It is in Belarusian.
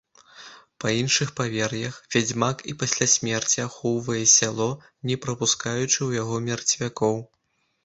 Па іншых павер'ях, вядзьмак і пасля смерці ахоўвае сяло, не прапускаючы ў яго мерцвякоў.